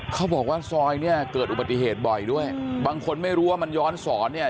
เขาบอกว่าซอยเนี่ยเกิดอุบัติเหตุบ่อยด้วยบางคนไม่รู้ว่ามันย้อนสอนเนี่ย